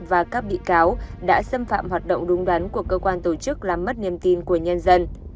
và các bị cáo đã xâm phạm hoạt động đúng đắn của cơ quan tổ chức làm mất niềm tin của nhân dân